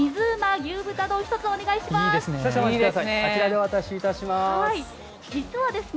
あちらでお渡しいたします。